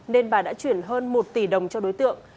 nên bà đã chuyển hơn một tỷ đồng cho đối tượng